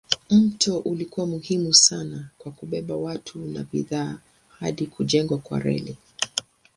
Mto ulikuwa muhimu sana kwa kubeba watu na bidhaa hadi kujengwa kwa reli.